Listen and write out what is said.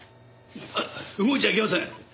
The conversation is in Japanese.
あっ動いちゃいけません！